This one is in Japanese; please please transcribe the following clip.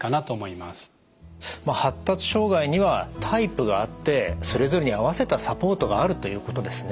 まあ発達障害にはタイプがあってそれぞれに合わせたサポートがあるということですね。